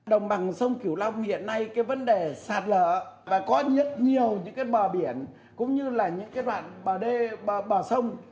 đồng bằng sông kiểu long hiện nay cái vấn đề sạt lở và có rất nhiều những cái bờ biển cũng như là những cái đoạn bờ đê bờ sông